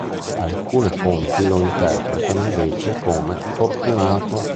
Alcune fonti lo interpretano invece come "fortunato".